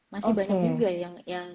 masih banyak juga yang